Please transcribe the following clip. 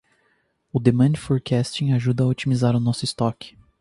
O demand forecasting ajuda a otimizar nosso estoque.